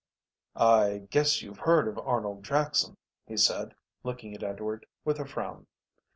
"I guess you've heard of Arnold Jackson," he said, looking at Edward with a frown.